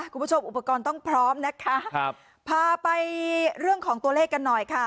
คุณผู้ชมอุปกรณ์ต้องพร้อมนะคะครับพาไปเรื่องของตัวเลขกันหน่อยค่ะ